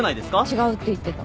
違うって言ってた。